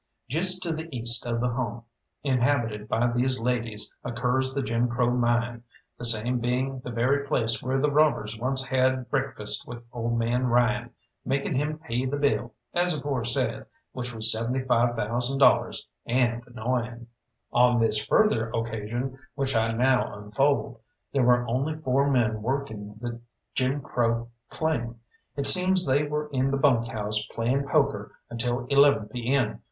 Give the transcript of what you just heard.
Just to the east of the home inhabited by these ladies occurs the Jim Crow Mine, the same being the very place where the robbers once had breakfast with old man Ryan, making him pay the bill, as aforesaid, which was seventy five thousand dollars, and annoying. On this further occasion which I now unfold, there were only four men working the Jim Crow claim. It seems they were in the bunk house playing poker until eleven p. m.